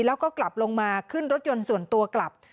แล้วก็กลับลงมาขึ้นรถยนต์ส่วนตัวกลับ